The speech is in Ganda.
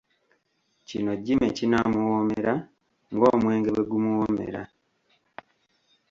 Kino Jimmy kinaamuwoomera ng'omwenge bwe gumuwoomera.